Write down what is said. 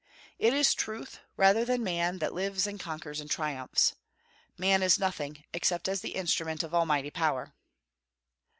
It is truth, rather than man, that lives and conquers and triumphs. Man is nothing, except as the instrument of almighty power.